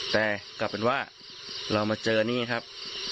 แต่กลับเป็นว่าเรามาเจอนี่ครับ